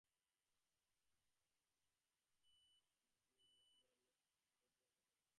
আবার পুরানো রাজা এল, তার ভাইপো রাজা হল।